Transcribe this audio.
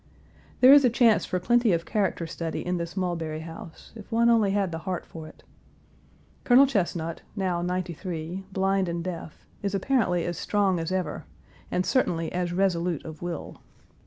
There is a chance for plenty of character study in. this Mulberry house, if one only had the heart for it. Colonel Chesnut, now ninety three, blind and deaf, is apparently as strong as ever, and certainly as resolute of will.